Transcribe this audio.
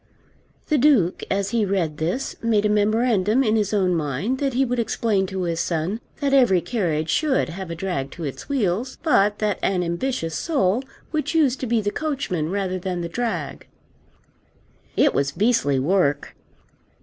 The Duke as he read this made a memorandum in his own mind that he would explain to his son that every carriage should have a drag to its wheels, but that an ambitious soul would choose to be the coachman rather than the drag. It was beastly work!